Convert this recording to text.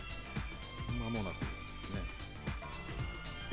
まもなくですね。